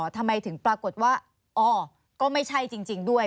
ทำไมถึงปรากฏว่าอ๋อก็ไม่ใช่จริงด้วย